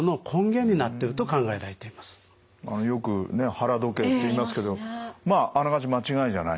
よくね腹時計と言いますけどまああながち間違いじゃないっていう。